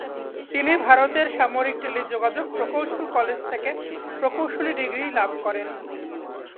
তিনি ভারতের সামরিক টেলিযোগাযোগ প্রকৌশল কলেজ থেকে প্রকৌশলী ডিগ্রী লাভ করেন।